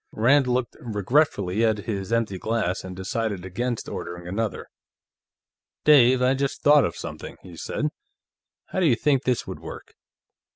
Rand looked regretfully at his empty glass and decided against ordering another. "Dave, I just thought of something," he said. "How do you think this would work?"